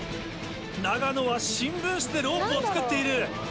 長野は新聞紙でロープを作っている。